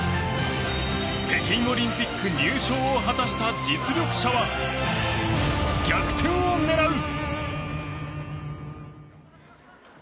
北京オリンピック入賞を果たした実力者は、逆転を狙う！